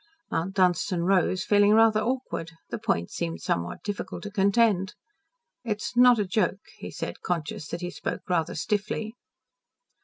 Mount Dunstan rose, feeling rather awkward. The point seemed somewhat difficult to contend. "It is not a joke," he said, conscious that he spoke rather stiffly.